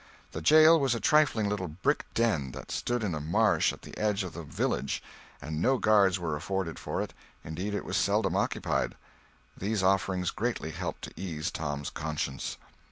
The jail was a trifling little brick den that stood in a marsh at the edge of the village, and no guards were afforded for it; indeed, it was seldom occupied. These offerings greatly helped to ease Tom's conscience.